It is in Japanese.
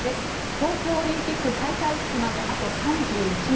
東京オリンピック開会式まであと３１日。